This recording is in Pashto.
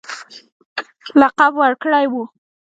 لقب ورکړی وو.